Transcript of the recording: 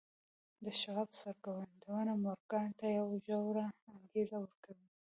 د شواب څرګندونو مورګان ته يوه ژوره انګېزه ورکړه.